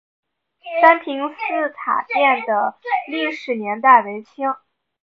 三平寺塔殿的历史年代为清。